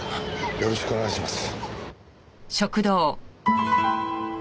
よろしくお願いします。